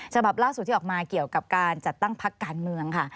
ฉบับล่าสุดที่ออกมาเกี่ยวกับการจัดตั้งพักการเมืองค่ะ